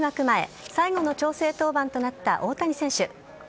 前最後の調整登板となった大谷選手。